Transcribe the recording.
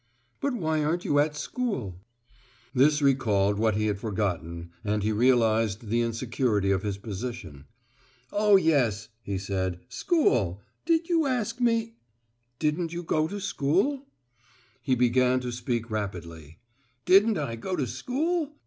"But why aren't you at school?" This recalled what he had forgotten, and he realized the insecurity of his position. "Oh, yes," he said "school. Did you ask me " "Didn't you go to school?" He began to speak rapidly. "Didn't I go to school?